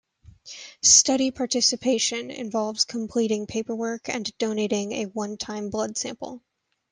Study participation involves completing paperwork and donating a one-time blood sample.